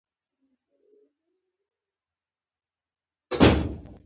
هغه حتی شوروي افسران هم ملګري کړي وو